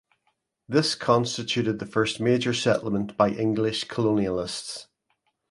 This constituted the first major settlement by English colonialists.